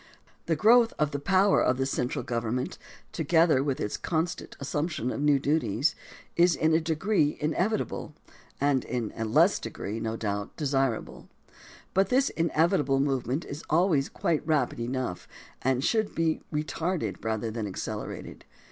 The growth of the power of the central government, together with its constant assumption of new duties, is in a degree inevitable and, in a less degree, no doubt, desirable. But this in evitable movement is always quite rapid enough and should be retarded rather than accelerated.